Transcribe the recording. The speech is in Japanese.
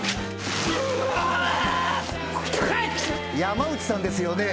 山内さんですよね？